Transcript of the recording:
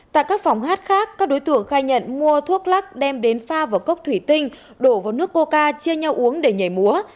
tại các phòng hát khác các đối tượng khai nhận mua thuốc lắc đem đến pha và cốc thủy tinh đổ vào nước cô ca chia nhau uống để nhảy múa